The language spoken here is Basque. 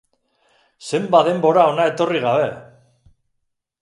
Zenbat denbora hona etorri gabe!